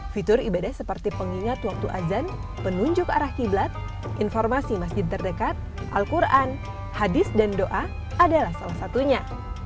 fitur ibadah seperti pengingat waktu azan penunjuk arah qiblat informasi masjid terdekat al quran hadis dan doa adalah salah satunya